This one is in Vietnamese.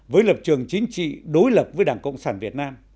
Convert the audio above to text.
với lập trường chính trị đối lập với đảng cộng sản việt nam